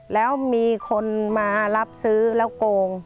แล้วมีคนมารับซื้อแล้วโกง